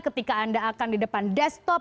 ketika anda akan di depan desktop